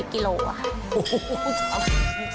๓๐๔๐กิโลแหวะ